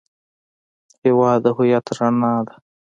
هېواد د هویت رڼا ده.